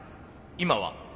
今は？